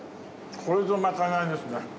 これぞまかないですね。